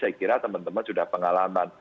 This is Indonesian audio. saya kira teman teman sudah pengalaman